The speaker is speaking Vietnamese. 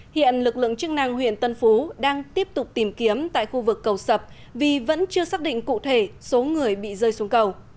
hiện lực lượng chức năng huyện tân phú đang tiếp tục tìm kiếm tại khu vực cầu sập vì vẫn chưa xác định cụ thể số người bị rơi xuống cầu